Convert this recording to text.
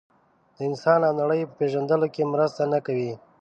د انسان او نړۍ په پېژندلو کې مرسته نه کوي.